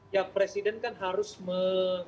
ya presiden kan harus